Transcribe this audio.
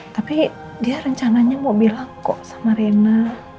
tapi dia rencananya mau bilang kok sama rina